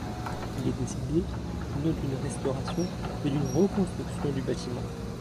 Il est décidé, non d'une restauration, mais d'une reconstruction du bâtiment.